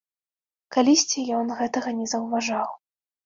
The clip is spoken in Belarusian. Калісьці ён гэтага не заўважаў.